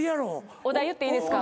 お題言っていいですか？